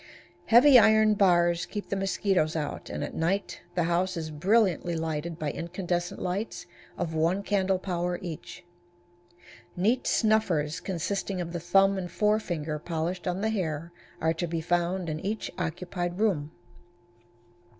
Heavy iron bars keep the mosquitoes out, and at night the house is brilliantly lighted by incandescent lights of one candle power each. Neat snuffers, consisting of the thumb and forefinger polished on the hair, are to be found in each occupied room.